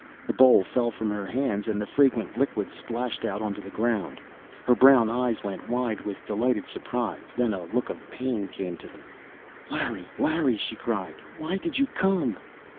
The bowl fell from her hands, and the fragrant liquid splashed out on the ground. Her brown eyes went wide with delighted surprise; then a look of pain came into them. "Larry, Larry!" she cried. "Why did you come?"